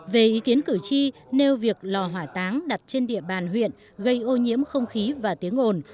về ý kiến cử tri nêu việc lò hỏa táng đặt trên địa bàn huyện gây ô nhiễm không khí và tiếng ồn